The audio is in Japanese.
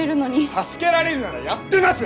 助けられるならやってます！